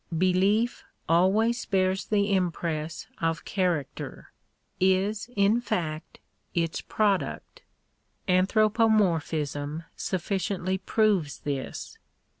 Belief, always bears the impress of character — is, in fact, its product. Anthropomorphism sufficiently proves this.